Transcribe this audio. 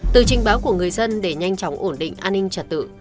từ trình báo của người dân để nhanh chóng ổn định an ninh trật tự